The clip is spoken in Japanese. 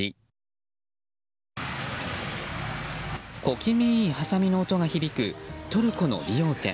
小気味いい、はさみの音が響くトルコの理容店。